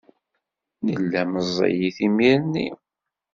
Nella meẓẓiyit imir-nni.